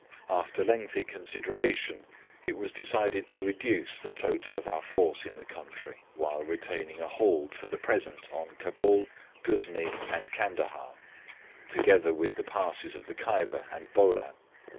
After lengthy consideration, it was decided to reduce the total of our force in the country, while retaining a hold for the present on Cabul, Ghuznee, and Candahar, together with the passes of the Kyber and Bolam.